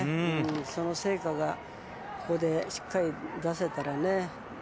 その成果がこれでしっかり出せたらね。